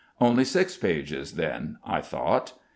'Only six pages then,' I thought.